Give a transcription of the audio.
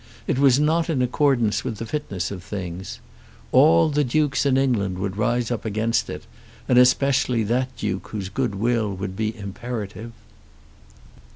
It was not in accordance with the fitness of things. All the dukes in England would rise up against it, and especially that duke whose good will would be imperative."